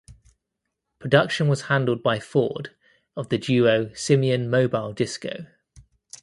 Production was handled by Ford of the duo Simian Mobile Disco.